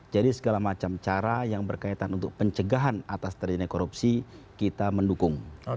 jadi segala macam cara yang berkaitan untuk pencegahan atas tindakan korupsi kita mendukung